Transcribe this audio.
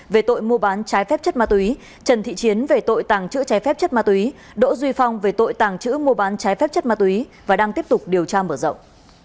về tội mua bán trái phép chất ma túy trần thị chiến về tội tàng trữ trái phép chất ma túy đỗ duy phong về tội tàng trữ mua bán trái phép chất ma túy và đang tiếp tục điều tra mở rộng